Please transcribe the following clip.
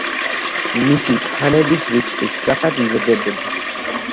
მისი ფანების რიცხვი სწრაფად იზრდებოდა.